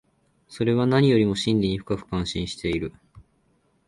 それは何よりも真理に深く関心している。